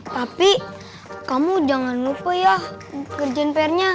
tapi kamu jangan lupa yah kerjaan pr nya